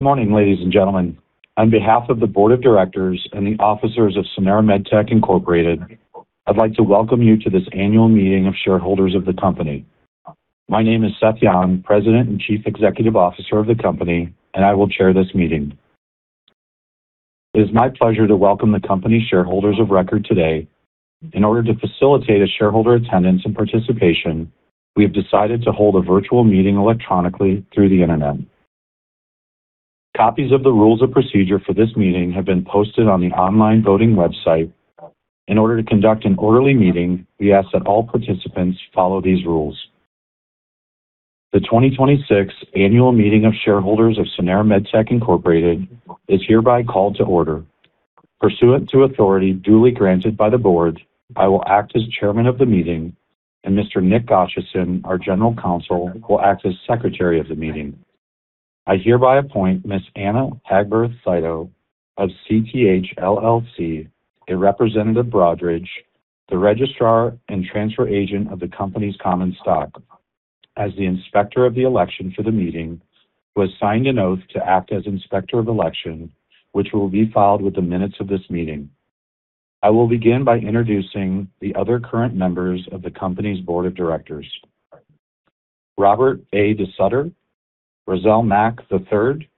Good morning, ladies and gentlemen. On behalf of the Board of Directors and the officers of Sanara MedTech Inc., I'd like to welcome you to this annual meeting of shareholders of the company. My name is Seth Yon, President and Chief Executive Officer of the company, and I will chair this meeting. It is my pleasure to welcome the company shareholders of record today. In order to facilitate a shareholder attendance and participation, we have decided to hold a virtual meeting electronically through the internet. Copies of the rules of procedure for this meeting have been posted on the online voting website. In order to conduct an orderly meeting, we ask that all participants follow these rules. The 2026 annual meeting of shareholders of Sanara MedTech Inc. is hereby called to order. Pursuant to authority duly granted by the board, I will act as chairman of the meeting, and Mr. Nick Gachassin, our General Counsel, will act as Secretary of the meeting. I hereby appoint Ms. Anna Hagberg-Cito of CTH LLC, a representative Broadridge, the registrar and transfer agent of the company's common stock, as the inspector of the election for the meeting, who has signed an oath to act as inspector of election, which will be filed with the minutes of this meeting. I will begin by introducing the other current members of the company's board of directors. Robert A. DeSutter, Roszell Mack III,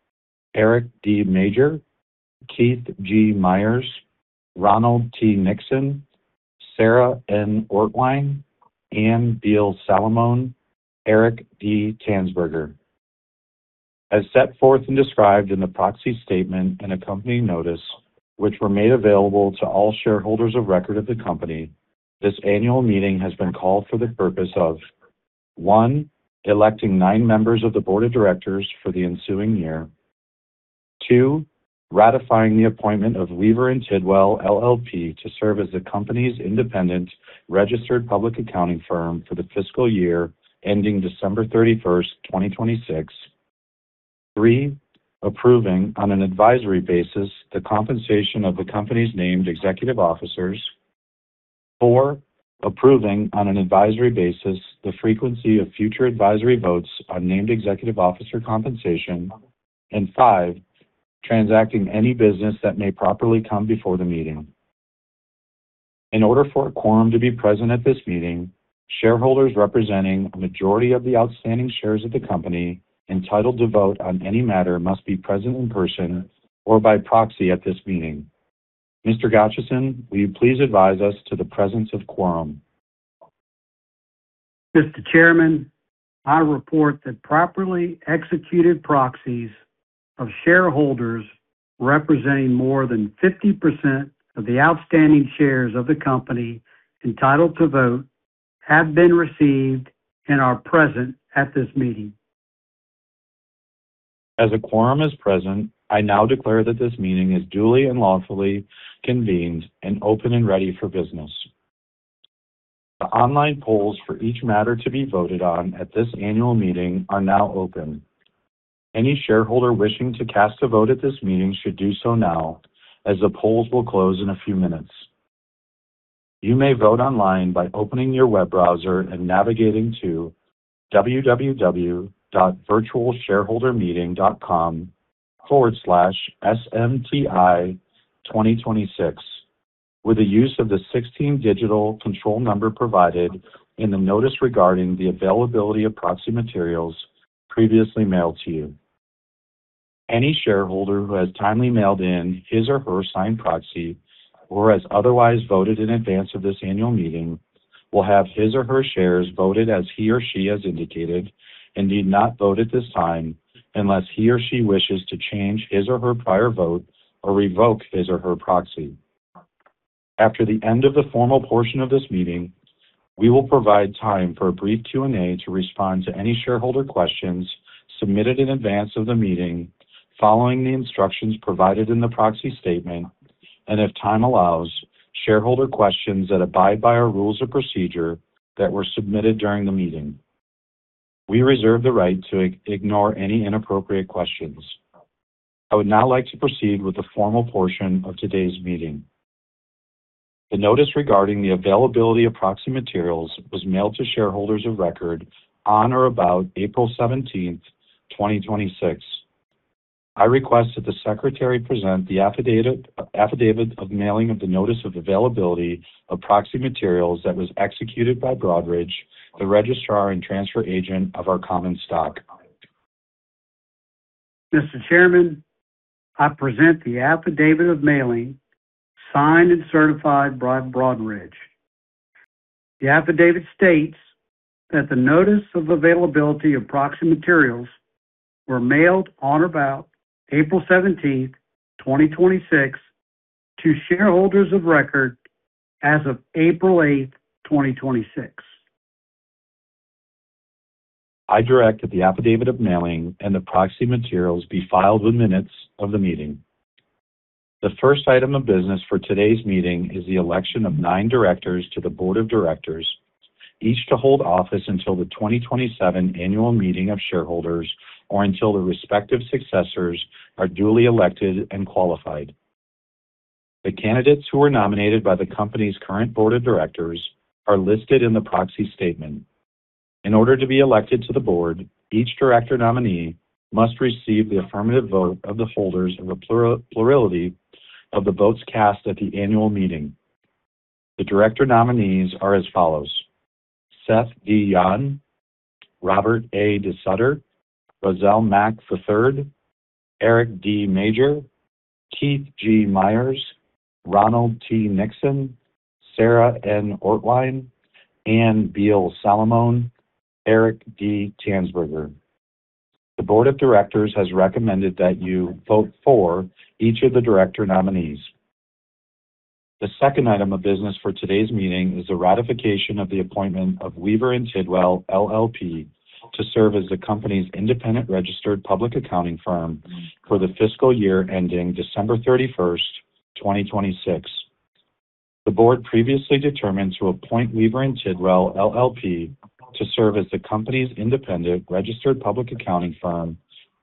Eric D. Major, Keith G. Myers, Ronald T. Nixon, Sara N. Ortwein, Ann Beal Salamone, Eric D. Tanzberger. As set forth and described in the proxy statement and accompanying notice, which were made available to all shareholders of record of the company, this annual meeting has been called for the purpose of: One. Electing nine members of the board of directors for the ensuing year. Two. Ratifying the appointment of Weaver and Tidwell, L.L.P. to serve as the company's independent registered public accounting firm for the fiscal year ending December 31st, 2026. Three. Approving, on an advisory basis, the compensation of the company's named executive officers. Four. Approving, on an advisory basis, the frequency of future advisory votes on named executive officer compensation. Five. Transacting any business that may properly come before the meeting. In order for a quorum to be present at this meeting, shareholders representing a majority of the outstanding shares of the company entitled to vote on any matter must be present in person or by proxy at this meeting. Mr. Gachassin, will you please advise us to the presence of quorum? Mr. Chairman, I report that properly executed proxies of shareholders representing more than 50% of the outstanding shares of the company entitled to vote have been received and are present at this meeting. As a quorum is present, I now declare that this meeting is duly and lawfully convened and open and ready for business. The online polls for each matter to be voted on at this annual meeting are now open. Any shareholder wishing to cast a vote at this meeting should do so now, as the polls will close in a few minutes. You may vote online by opening your web browser and navigating to www.virtualshareholdermeeting.com/smti2026 with the use of the 16-digital control number provided in the notice regarding the availability of proxy materials previously mailed to you. Any shareholder who has timely mailed in his or her signed proxy or has otherwise voted in advance of this annual meeting will have his or her shares voted as he or she has indicated and need not vote at this time unless he or she wishes to change his or her prior vote or revoke his or her proxy. After the end of the formal portion of this meeting, we will provide time for a brief Q&A to respond to any shareholder questions submitted in advance of the meeting, following the instructions provided in the proxy statement, and if time allows, shareholder questions that abide by our rules of procedure that were submitted during the meeting. We reserve the right to ignore any inappropriate questions. I would now like to proceed with the formal portion of today's meeting. The notice regarding the availability of proxy materials was mailed to shareholders of record on or about April 17th, 2026. I request that the secretary present the affidavit of mailing of the notice of availability of proxy materials that was executed by Broadridge, the registrar and transfer agent of our common stock. Mr. Chairman, I present the affidavit of mailing, signed and certified by Broadridge. The affidavit states that the notice of availability of proxy materials were mailed on or about April 17th, 2026 to shareholders of record as of April 8th, 2026. I direct that the affidavit of mailing and the proxy materials be filed with minutes of the meeting. The first item of business for today's meeting is the election of nine directors to the board of directors, each to hold office until the 2027 annual meeting of shareholders or until the respective successors are duly elected and qualified. The candidates who were nominated by the company's current board of directors are listed in the proxy statement. In order to be elected to the board, each director nominee must receive the affirmative vote of the holders of a plurality of the votes cast at the annual meeting. The director nominees are as follows: Seth D. Yon, Robert A. DeSutter, Roszell Mack III, Eric D. Major, Keith G. Myers, Ronald T. Nixon, Sara N. Ortwein, Ann Beal Salamone, Eric D. Tanzberger. The board of directors has recommended that you vote for each of the director nominees. The second item of business for today's meeting is the ratification of the appointment of Weaver and Tidwell, L.L.P. to serve as the company's independent registered public accounting firm for the fiscal year ending December 31st, 2026. The board previously determined to appoint Weaver and Tidwell, L.L.P. to serve as the company's independent registered public accounting firm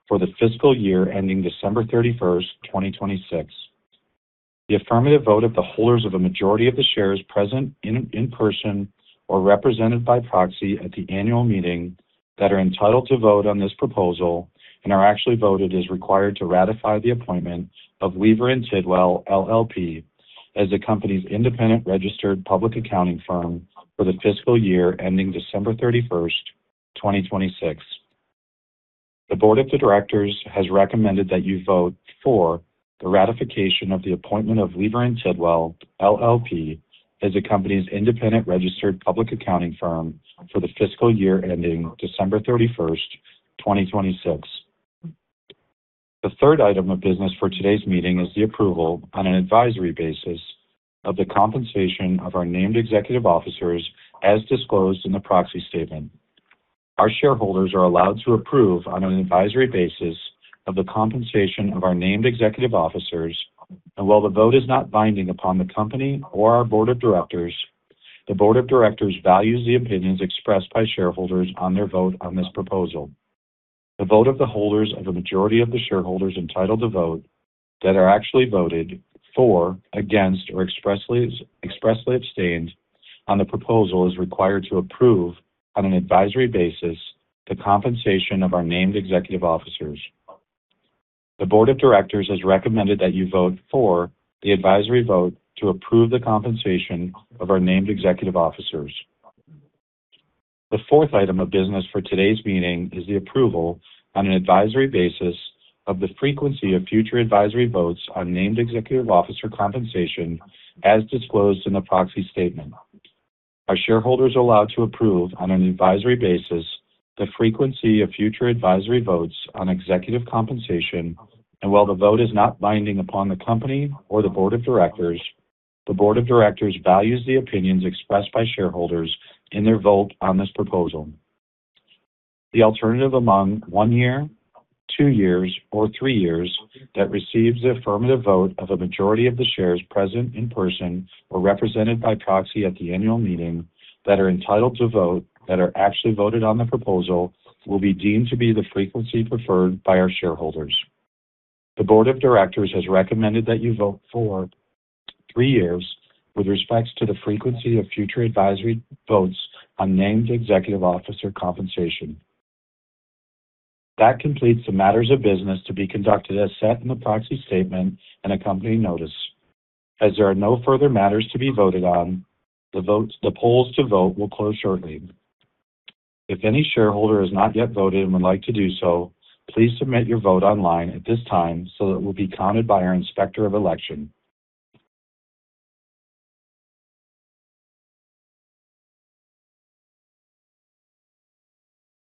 for the fiscal year ending December 31st, 2026. The affirmative vote of the holders of a majority of the shares present in person or represented by proxy at the annual meeting that are entitled to vote on this proposal and are actually voted as required to ratify the appointment of Weaver and Tidwell, L.L.P. as the company's independent registered public accounting firm for the fiscal year ending December 31st, 2026. The board of the directors has recommended that you vote for the ratification of the appointment of Weaver and Tidwell, L.L.P. as the company's independent registered public accounting firm for the fiscal year ending December 31st, 2026. The third item of business for today's meeting is the approval on an advisory basis of the compensation of our named executive officers as disclosed in the proxy statement. Our shareholders are allowed to approve on an advisory basis of the compensation of our named executive officers. While the vote is not binding upon the company or our board of directors, the board of directors values the opinions expressed by shareholders on their vote on this proposal. The vote of the holders of a majority of the shareholders entitled to vote that are actually voted for, against, or expressly abstained on the proposal is required to approve on an advisory basis the compensation of our named executive officers. The board of directors has recommended that you vote for the advisory vote to approve the compensation of our named executive officers. The fourth item of business for today's meeting is the approval on an advisory basis of the frequency of future advisory votes on named executive officer compensation as disclosed in the proxy statement. Our shareholders are allowed to approve on an advisory basis the frequency of future advisory votes on executive compensation. While the vote is not binding upon the company or the board of directors, the board of directors values the opinions expressed by shareholders in their vote on this proposal. The alternative among one year, two years, or three years that receives the affirmative vote of a majority of the shares present in person or represented by proxy at the annual meeting that are entitled to vote, that are actually voted on the proposal, will be deemed to be the frequency preferred by our shareholders. The board of directors has recommended that you vote for three years with respects to the frequency of future advisory votes on named executive officer compensation. That completes the matters of business to be conducted as set in the proxy statement and accompanying notice. As there are no further matters to be voted on, the polls to vote will close shortly. If any shareholder has not yet voted and would like to do so, please submit your vote online at this time so that it will be counted by our inspector of election.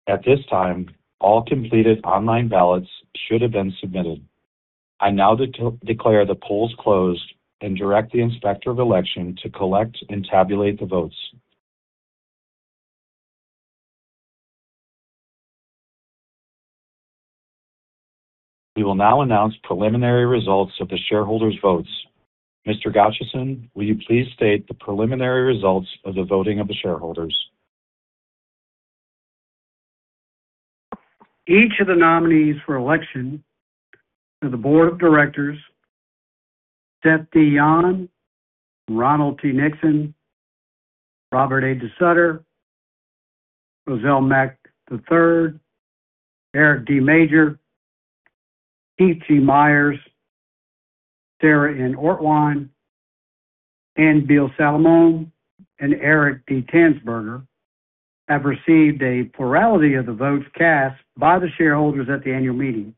At this time, all completed online ballots should have been submitted. I now declare the polls closed and direct the inspector of election to collect and tabulate the votes. We will now announce preliminary results of the shareholders' votes. Mr. Gachassin, will you please state the preliminary results of the voting of the shareholders? Each of the nominees for election to the Board of Directors, Seth D. Yon, Ronald T. Nixon, Robert A. DeSutter, Roszell Mack III, Eric D. Major, Keith G. Myers, Sara N. Ortwein, Ann Beal Salamone, and Eric D. Tanzberger, have received a plurality of the votes cast by the shareholders at the annual meeting.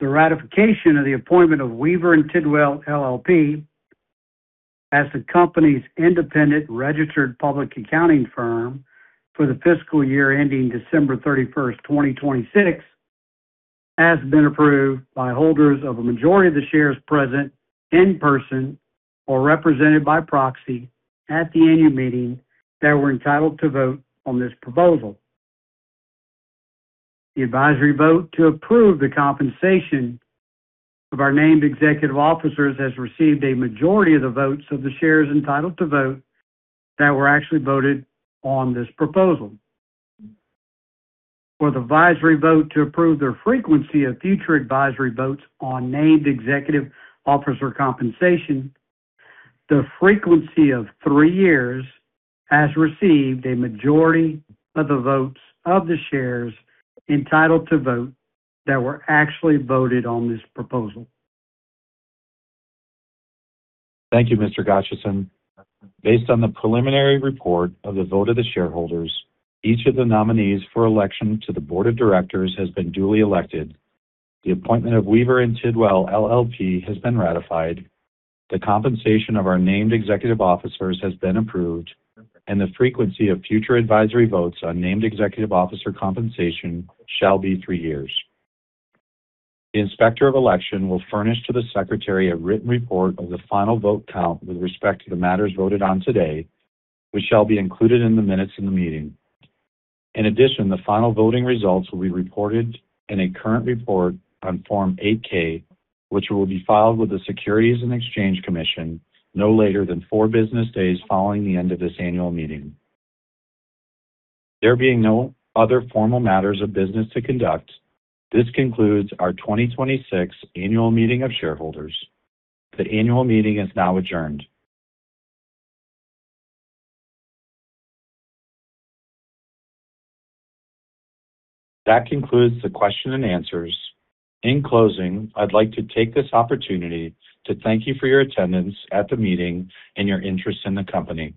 The ratification of the appointment of Weaver and Tidwell, L.L.P. as the company's independent registered public accounting firm for the fiscal year ending December 31st, 2026, has been approved by holders of a majority of the shares present in person or represented by proxy at the annual meeting that were entitled to vote on this proposal. The advisory vote to approve the compensation of our named executive officers has received a majority of the votes of the shares entitled to vote that were actually voted on this proposal. For the advisory vote to approve their frequency of future advisory votes on named executive officer compensation, the frequency of three years has received a majority of the votes of the shares entitled to vote that were actually voted on this proposal. Thank you, Mr. Gachassin. Based on the preliminary report of the vote of the shareholders, each of the nominees for election to the board of directors has been duly elected. The appointment of Weaver and Tidwell, L.L.P. has been ratified. The compensation of our named executive officers has been approved, and the frequency of future advisory votes on named executive officer compensation shall be three years. The inspector of election will furnish to the secretary a written report of the final vote count with respect to the matters voted on today, which shall be included in the minutes of the meeting. In addition, the final voting results will be reported in a current report on Form 8-K, which will be filed with the Securities and Exchange Commission no later than four business days following the end of this annual meeting. There being no other formal matters of business to conduct, this concludes our 2026 annual meeting of shareholders. The annual meeting is now adjourned. That concludes the question and answers. In closing, I'd like to take this opportunity to thank you for your attendance at the meeting and your interest in the company.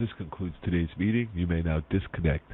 This concludes today's meeting. You may now disconnect.